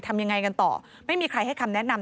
ทำยังไงกันต่อไม่มีใครให้คำแนะนำ